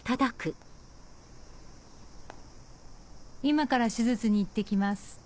「今から手術に行ってきます。